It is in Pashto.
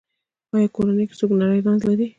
ایا کورنۍ کې څوک نری رنځ لري؟